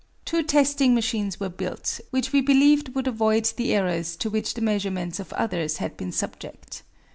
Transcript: Two testing machines were built, which we believed would avoid the errors to which the measurements of others had been subject.